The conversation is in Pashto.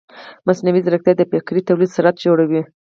مصنوعي ځیرکتیا د فکري تولید سرعت لوړوي.